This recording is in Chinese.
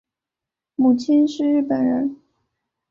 母亲是日本人。